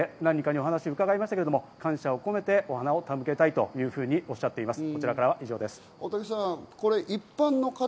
何人かにお話を伺いましたが、感謝を込めてお花を手向けたいとおっしゃっていました。